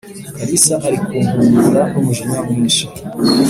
kalisa arikunkumura numujinya mwinshi